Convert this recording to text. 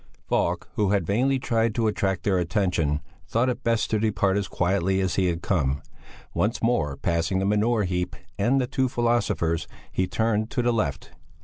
Falk, who had vainly tried to attract their attention, thought it best to depart as quietly as he had come. Once more passing the manure heap and the two philosophers, he turned to the left.